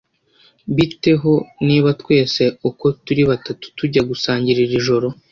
Bite ho niba twese uko turi batatu tujya gusangira iri joro?